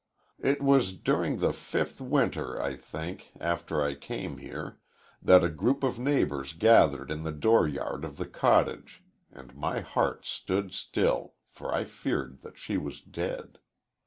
"It was during the fifth winter, I think, after I came here, that a group of neighbors gathered in the door yard of the cottage, and my heart stood still, for I feared that she was dead.